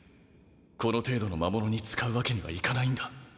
この程度の魔物に使うわけにはいかないんだ。